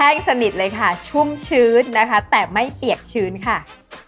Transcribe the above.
สนิทเลยค่ะชุ่มชื้นนะคะแต่ไม่เปียกชื้นค่ะ